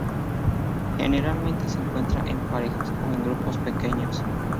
Generalmente se encuentra en parejas, o en grupos pequeños.